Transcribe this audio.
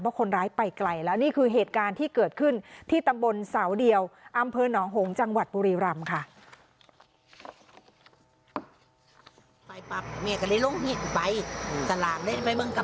เพราะคนร้ายไปไกลและนี่คือเหตุการณ์ที่เกิดขึ้นที่ตรรบนเศาดยออหนองโหงจังหวัดปริรามค่ะ